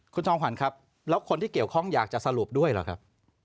คุณจอมขวัญครับแล้วคนที่เกี่ยวข้องอยากจะสรุปด้วยเหรอครับ